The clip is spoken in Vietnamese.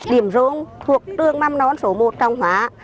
điểm rông thuộc trường măm nón số một trọng hóa